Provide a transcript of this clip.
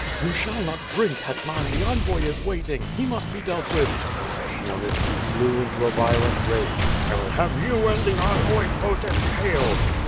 "You shall not drink, hetman, the envoy is waiting. He must be dealt with." Khmyelnitski flew into a violent rage. "I will have you and the envoy both impaled!"